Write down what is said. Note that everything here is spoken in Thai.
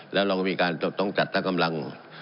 แล้วเราก็มีการต้องจัดตั้งกำลัง